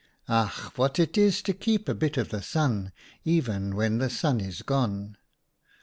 " Ach ! what it is to keep a bit of the Sun even when the Sun is gone